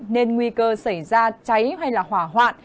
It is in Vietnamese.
nên nguy cơ xảy ra cháy hay hỏa hoạn